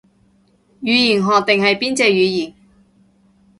語言學定係邊隻語言